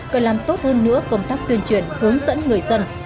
cần làm tốt hơn nữa công tác tuyên truyền hướng dẫn người dân